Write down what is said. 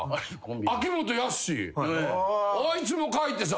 秋元康あいつも書いてさ。